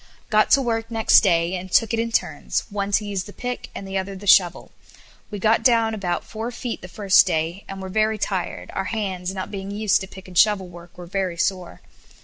Got to work next day, and took it in turns, one to use the pick, and the other the shovel. We got down about four feet the first day, and were very tired. Our hands, not being used to pick and shovel work, were very sore.